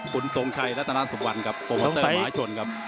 คุณสงชัยรัฐนานสุบวันครับโปรโมเตอร์หมาชนครับ